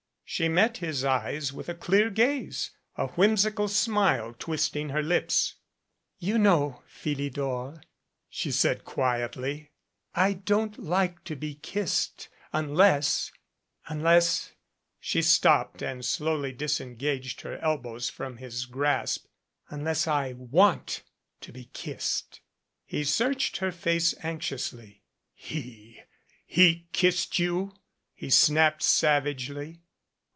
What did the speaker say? She met his eyes with a clear gaze a whimsical smile twisting her lips. "You know, Philidor," she said quietly, "I don't like to be kissed unless unless " She stopped and slowly disengaged her elbows from his grasp, "Unless I want to be kissed." He searched her face anxiously. 192 "He he kissed you?" he snapped savagely.